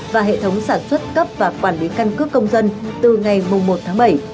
và hệ thống sản xuất cấp và quản lý căn cước công dân từ ngày một tháng bảy